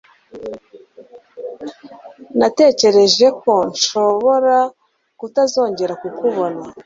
Natekereje ko nshobora kutazongera kukubona.